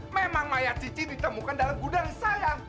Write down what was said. memang mayat cici ditemukan dalam gudang saya